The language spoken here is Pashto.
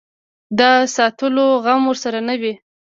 د ساتلو غم ورسره نه وي.